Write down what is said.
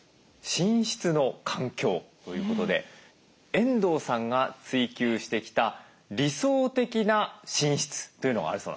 「寝室の環境」ということで遠藤さんが追求してきた「理想的な寝室」というのがあるそうなんですね。